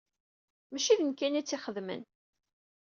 Mačči d nekkni i tt-ixedmen.